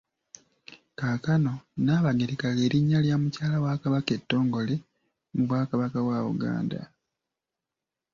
Kaakano Nnaabagereka lye linnya lya Mukyala wa Kabaka ettongole mu Bwakabaka bw'e Buganda.